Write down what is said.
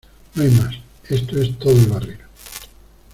¡ No hay más! ¡ esto es todo el barril !